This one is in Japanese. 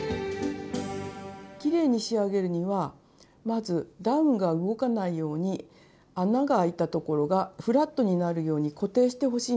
きれいに仕上げるにはまずダウンが動かないように穴があいたところがフラットになるように固定してほしいんです。